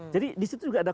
jadi disitu juga ada